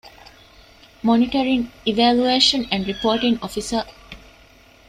މޮނިޓަރިންގ، އިވެލުއޭޝަން އެންޑް ރިޕޯޓިންގ އޮފިސަރ